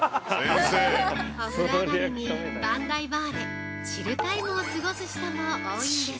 ◆お風呂上がりに番台バーで、チルタイムを過ごす人も多いんです！